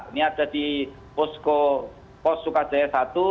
ini ada di pos sukacaya satu